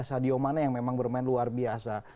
sadio mana yang memang bermain luar biasa